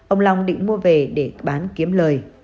ông long định mua về để bán kiếm lời